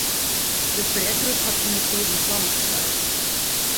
De projektgroep hat yndertiid in plan opsteld.